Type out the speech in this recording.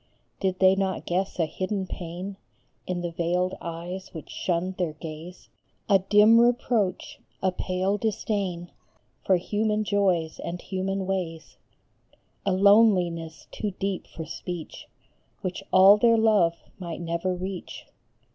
Did they not guess a hidden pain In the veiled eyes which shunned their gaze ; A dim reproach, a pale disdain For human joys and human ways ; A loneliness too deep for speech, Which all their love might never reach